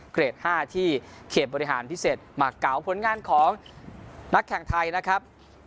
เกรด๕ที่เขตบริหารพิเศษหมากเก๋าผลงานของนักแข่งไทยนะครับ